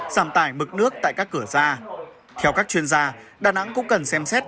giảm tải bực nước tại các cửa gia theo các chuyên gia đà nẵng cũng cần xem xét